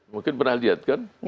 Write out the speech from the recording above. mungkin pernah lihat kan